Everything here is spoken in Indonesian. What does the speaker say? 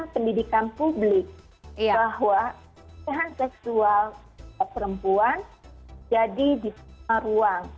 pendidikan publik bahwa kehan seksual perempuan jadi di ruang